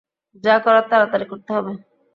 যা করার তাড়াতাড়ি করতে হবে।